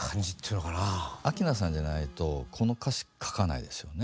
明菜さんじゃないとこの歌詞書かないですよね。